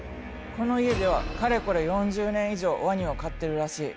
この家ではかれこれ４０年以上ワニを飼ってるらしい。